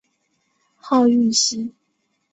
号玉溪。